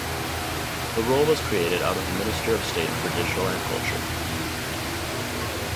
The role was created out of the Minister of State for Digital and Culture.